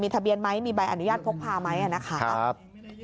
ทะเบียนไหมมีใบอนุญาตพกพาไหมนะคะ